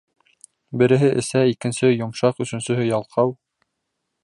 Береһе эсә, икенсеһе йомшаҡ, өсөнсөһө ялҡау.